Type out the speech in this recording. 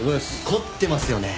凝ってますよね？